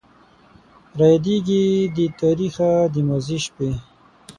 رايادېږي دې تاريخه د ماضي شپې